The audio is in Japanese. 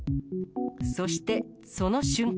そして、その瞬間。